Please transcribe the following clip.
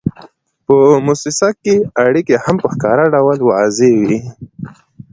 په موسسه کې اړیکې هم په ښکاره ډول واضحې وي.